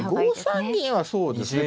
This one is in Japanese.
５三銀はそうですね。